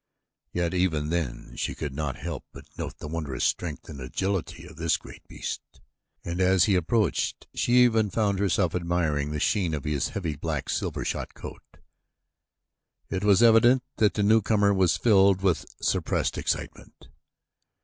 Yet even then she could not help but note the wondrous strength and agility of this great beast, and as he approached she even found herself admiring the sheen of his heavy, black, silvershot coat. It was evident that the newcomer was filled with suppressed excitement.